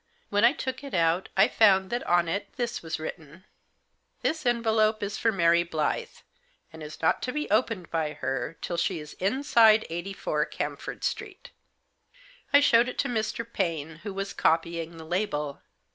When I took it out I found that on it this was written :" This envelope is for MARY Blyth, and is not to be opened by her till she is inside 84, Camford Street." I showed it to Mr. Paine, who was copying the label.